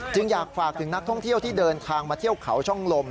อยากฝากถึงนักท่องเที่ยวที่เดินทางมาเที่ยวเขาช่องลม